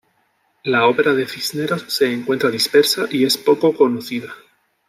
La obra de Cisneros se encuentra dispersa y es poco conocida.